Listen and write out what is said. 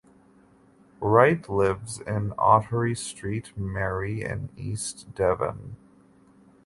Wright lives in Ottery St Mary in East Devon.